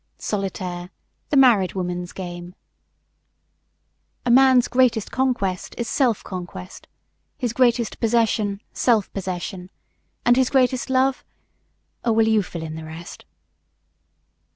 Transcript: Solitaire the married woman's game. A man's greatest conquest is self conquest; his greatest possession, self possession; and his greatest love Oh, well, you fill in the rest.